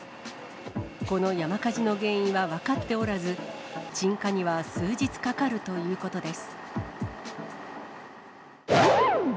この山火事の原因は分かっておらず、鎮火には数日かかるということです。